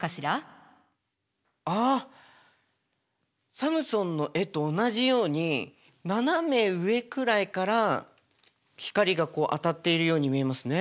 サムソンの絵と同じように斜め上くらいから光が当たっているように見えますね。